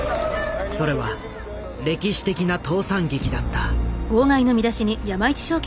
それは歴史的な倒産劇だった。